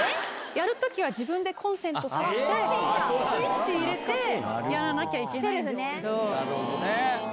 やるときは自分でコンセントさして、スイッチ入れてやらなきゃいけないんですけど。